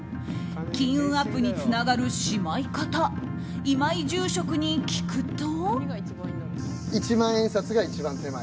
金運アップにつながるしまい方今井住職に聞くと。